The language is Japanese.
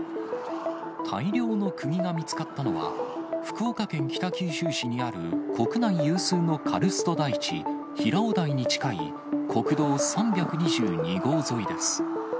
大量のくぎが見つかったのは、福岡県北九州市にある国内有数のカルスト台地、平尾台に近い国道３２２号沿いです。